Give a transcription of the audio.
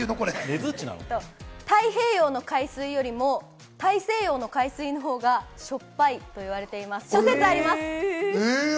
太平洋の海水よりも大西洋の海水のほうがしょっぱいと言われています。